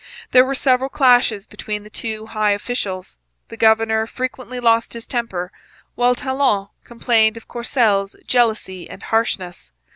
There were several clashes between the two high officials. The governor frequently lost his temper, while Talon complained of Courcelle's jealousy and harshness.